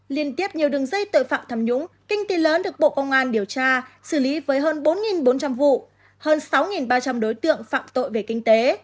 liên tiếp nhiều đường dây tội phạm tham nhũng kinh tế lớn được bộ công an điều tra xử lý với hơn bốn bốn trăm linh vụ hơn sáu ba trăm linh đối tượng phạm tội về kinh tế